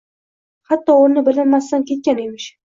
Hatto o’rni bilinmasdan ketgan emish.